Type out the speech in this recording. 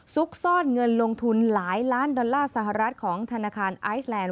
ซุกซ่อนเงินลงทุนหลายล้านดอลลาร์สหรัฐของธนาคารไอซแลนด